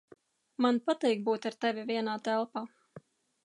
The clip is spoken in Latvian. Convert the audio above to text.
Man patīk būt ar tevi vienā telpā.